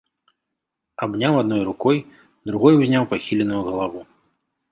Абняў адной рукой, другой узняў пахіленую галаву.